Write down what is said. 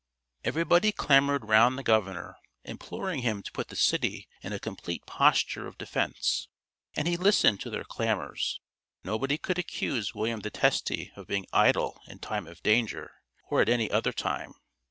Everybody clamored round the governor, imploring him to put the city in a complete posture of defence, and he listened to their clamors. Nobody could accuse William the Testy of being idle in time of danger, or at any other time.